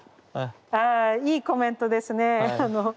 あいいコメントですね。